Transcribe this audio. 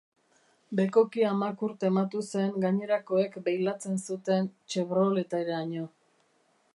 Bekokia makur tematu zen gainerakoek beilatzen zuten chevroleteraino.